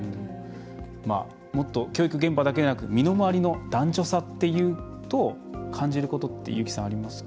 もっと教育現場だけでなく身の回りの男女差っていうと感じることって優木さん、ありますか？